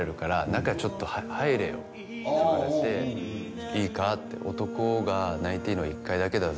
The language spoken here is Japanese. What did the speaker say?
「中ちょっと入れよ」って言われて「いいか？男が泣いていいのは１回だけだぞ」